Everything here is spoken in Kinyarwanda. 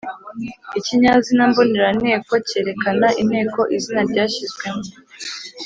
– Ikinyazina mboneranteko kerekana inteko izina ryashyizwemo.